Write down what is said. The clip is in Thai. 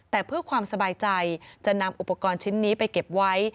แต่เพื่อความสบายใจจะนำอุปกรณ์ชิ้นนี้ไปเก็บไว้